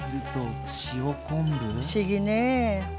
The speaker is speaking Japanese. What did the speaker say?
不思議ね。